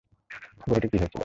গরুটির কি হয়েছিল?